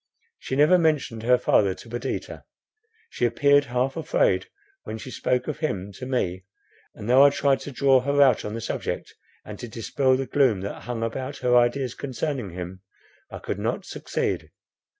She never mentioned her father to Perdita, she appeared half afraid when she spoke of him to me, and though I tried to draw her out on the subject, and to dispel the gloom that hung about her ideas concerning him, I could not succeed.